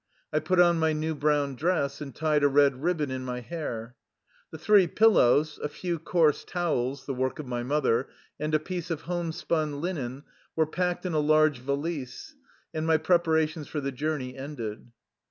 I put on my new brown dress, and tied a red rib bon in my hair. The three pillows, a few coarse towels — the work of my mother — and a piece of homespun linen were packed in a large valise, and my preparations for the journey ended.